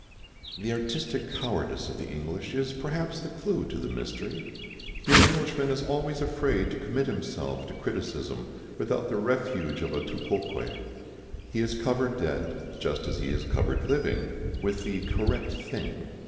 The artistic cowardice of the English is perhaps the clue to the mystery. Your Englishman is always afraid to commit himself to criticism without the refuge of a tu quoque. He is covered dead, just as he is covered living, with the "correct thing."